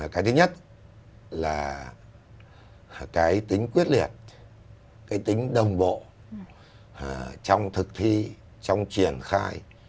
cái thứ nhất là cái tính quyết liệt cái tính đồng bộ trong thực thi trong triển khai